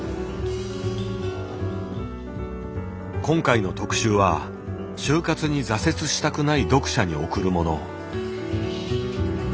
今回の特集は「終活」に挫折したくない読者に送るもの。